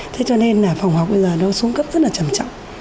thế cho nên là phòng học bây giờ nó xuống cấp rất là trầm trọng